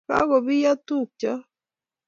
Kakobiyo tuk chok.